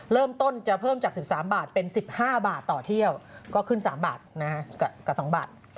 เริ่มต้นจะเพิ่มจาก๑๓บาทเป็น๑๕บาทต่อเที่ยวก็ขึ้น๓บาทกับ๒บาท